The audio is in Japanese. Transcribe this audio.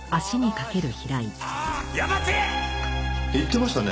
言ってましたね